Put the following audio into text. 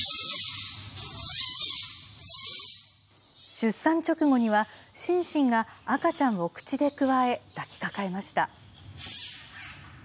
出産直後には、シンシンが赤ちゃんを口でくわえ、抱きかかえました。